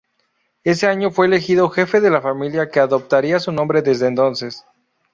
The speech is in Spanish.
Ese año fue elegido jefe de la familia que adoptaría su nombre desde entonces.